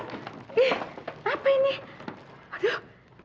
ih apa ini aduh